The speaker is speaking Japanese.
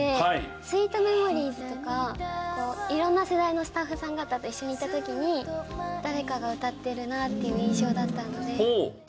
『ＳＷＥＥＴＭＥＭＯＲＩＥＳ』とか色んな世代のスタッフさん方と一緒にいた時に誰かが歌ってるなっていう印象だったので。